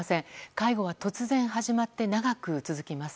介護は突然始まって長く続きます。